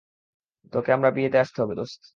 তোকে আমার বিয়েতে আসতে হবে, দোস্ত!